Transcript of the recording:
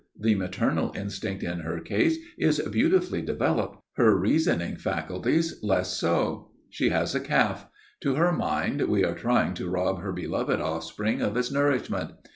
The maternal instinct in her case is beautifully developed. Her reasoning faculties less so. She has a calf. To her mind, we are trying to rob her beloved offspring of its nourishment.